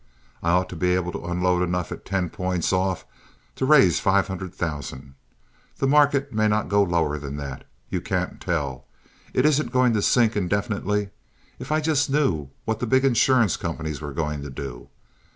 I ought to be able to unload enough at ten points off to raise five hundred thousand. The market may not go lower than that. You can't tell. It isn't going to sink indefinitely. If I just knew what the big insurance companies were going to do!